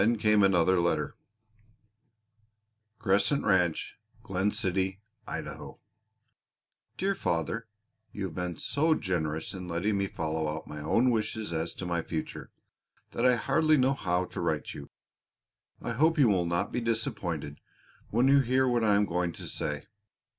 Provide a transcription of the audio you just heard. Then came another letter: Crescent Ranch, Glen City, Idaho. DEAR FATHER: You have been so generous in letting me follow out my own wishes as to my future, that I hardly know how to write you. I hope you will not be disappointed when you hear what I am going to say.